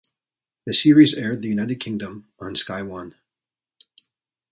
The series aired the United Kingdom on Sky One.